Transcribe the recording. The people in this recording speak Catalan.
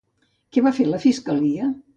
Què va fer la Fiscalia?